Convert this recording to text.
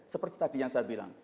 seperti tadi yang saya bilang